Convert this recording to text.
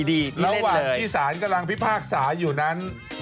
ดีแล้วหวังลาฮที่สารกำลังพิพาชสายุนั้น